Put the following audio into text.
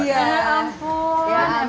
ya ampun emang